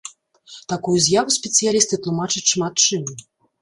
Такую з'яву спецыялісты тлумачаць шмат чым.